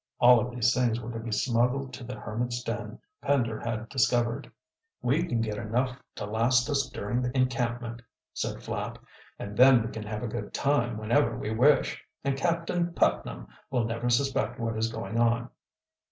All of these things were to be smuggled to the hermit's den Pender had discovered. "We can get enough to last us during the encampment," said Flapp. "And then we can have a good time whenever we wish, and Captain Putnam will never suspect what is going on."